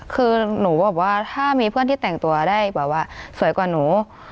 คือหนูบอกว่าถ้ามีเพื่อนที่แต่งตัวได้แบบว่าสวยกว่าหนู